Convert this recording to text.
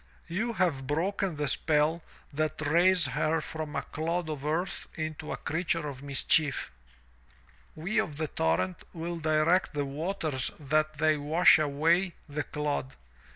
You have broken the spell that raised her from a clod of earth into a creature of mischief. 250 THROUGH FAIRY HALLS We of the torrent will direct the waters that they wash away the clod.